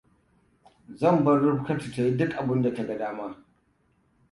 Zan bar Rifkatu ta yi duk abinda ta ga dama.